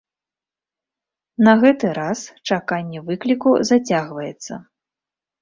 На гэты раз чаканне выкліку зацягваецца.